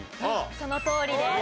そのとおりです。